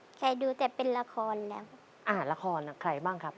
ขอเชิญนับแป๊บขึ้นมาต่อชีวิตเป็นคนต่อไปครับ